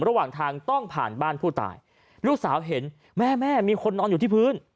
ระหว่างทางต้องผ่านบ้านผู้ตายลูกสาวเห็นแม่แม่มีคนนอนอยู่ที่พื้น